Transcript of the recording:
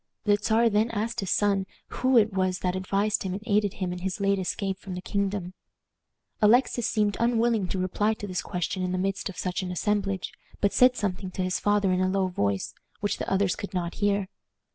The Czar then asked his son who it was that advised him and aided him in his late escape from the kingdom. Alexis seemed unwilling to reply to this question in the midst of such an assemblage, but said something to his father in a low voice, which the others could not hear.